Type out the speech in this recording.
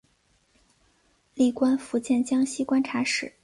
历官福建江西观察使。